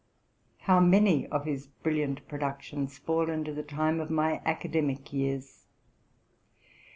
How many of his brilliant produc tions fall into the time of my academic years!